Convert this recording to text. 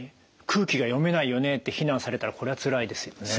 「空気が読めないよね」って非難されたらこれはつらいですよね。